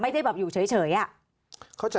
ทำไมรัฐต้องเอาเงินภาษีประชาชน